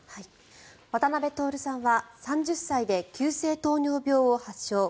渡辺徹さんは３０歳で急性糖尿病を発症。